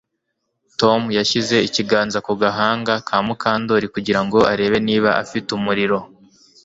Tom yashyize ikiganza ku gahanga ka Mukandoli kugira ngo arebe niba afite umuriro